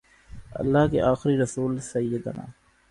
اللہ کے آخری رسول سیدنا